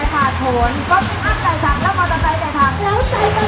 พรบทำทำดูลนี้